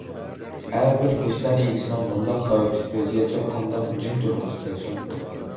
ھەربىر ۋىجدان ئىگىسىنىڭ مۇنداق خەۋپلىك ۋەزىيەتتە قانداقمۇ جىم تۇرغۇسى كەلسۇن!